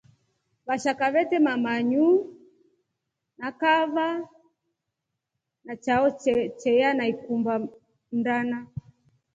Vashaka veteme mayuu na kaava sha chao cheelya na ikumba mndana.